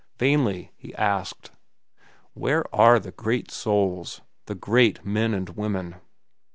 Vainly he asked: Where are the great souls, the great men and women?